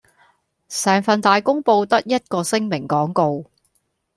成份大公報得一個聲明廣告